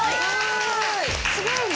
すごいね。